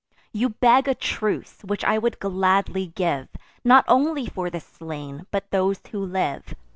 You beg a truce, which I would gladly give, Not only for the slain, but those who live.